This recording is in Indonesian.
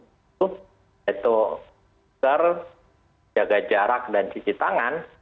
yaitu masker jaga jarak dan cuci tangan